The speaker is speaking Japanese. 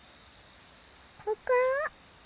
ここ！